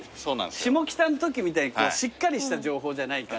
下北のときみたいにしっかりした情報じゃないから。